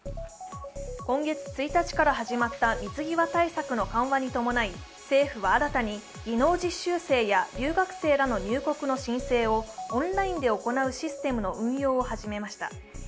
今月１日から始まった水際対策の緩和に伴い、政府は新たに技能実習生や留学生らの入国の申請をオンラインで行うシステムの運用を始めました。